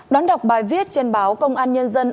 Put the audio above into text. đón đọc bài viết trên báo công an nhân dân